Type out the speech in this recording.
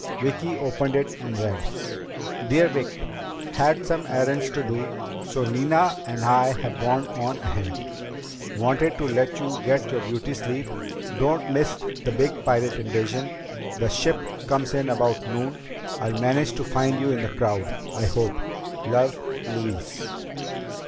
Vicki opened it and read: "Dear Vic: Had some errands to do, so Nina and I have gone on ahead. Wanted to let you get your beauty sleep. Don't miss the big pirate invasion. The ship comes in about noon. I'll manage to find you in the crowd I hope. Love, Louise."